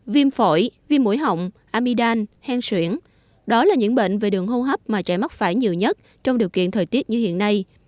viêm phổi viêm mũi họng amidam hen xuyển đó là những bệnh về đường hô hấp mà trẻ mắc phải nhiều nhất trong điều kiện thời tiết như hiện nay